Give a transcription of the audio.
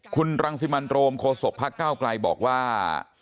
คุณรังสิมันโรมโคศกพักเก้าไกลบอกว่า